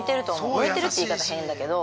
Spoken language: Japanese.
向いてるって言い方だけど。